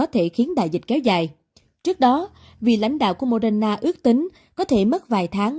trước đó vì lãnh đạo của moderna ước tính có thể mất vài tháng